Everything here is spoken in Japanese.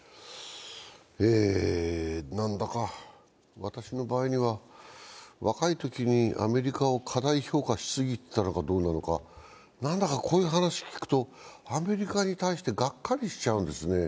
何だか私の場合には若いときにアメリカを過大評価しすぎてたのかどうなのか、なんだか、こういう話を聞くとアメリカに対してがっかりしちゃうんですね。